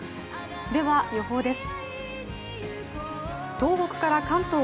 では、予報です。